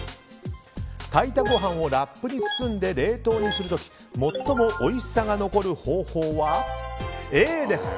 炊いたご飯をラップに包んで冷凍にする時最もおいしさが残る方法はＡです。